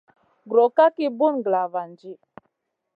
Gro ka ki bùn glavandi.